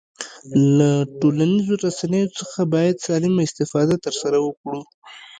له ټولنیزو رسنیو څخه باید سالمه استفاده ترسره وکړو